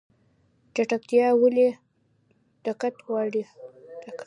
چټکتیا ولې دقت غواړي؟